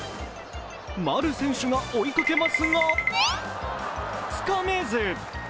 丸選手が追いかけますがつかめず。